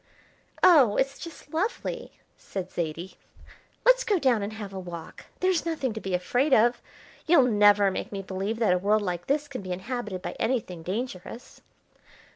"Oh, it's just lovely," said Zaidie. "Let's go down and have a walk. There's nothing to be afraid of. You'll never make me believe that a world like this can be inhabited by anything dangerous."